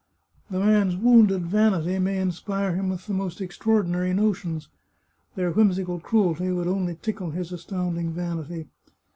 The man's wounded vanity may inspire him with the most ex traordinary notions; their whimsical cruelty would only tickle his astounding vanity.